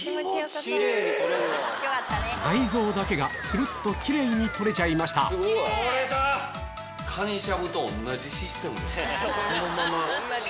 内臓だけがスルっとキレイに取れちゃいましたこっち側には。